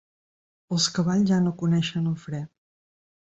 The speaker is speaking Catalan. Els cavalls ja no coneixien el fre.